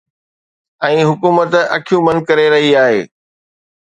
۽ حڪومت اکيون بند ڪري رهي آهي